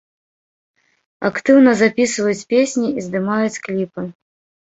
Актыўна запісваюць песні і здымаюць кліпы.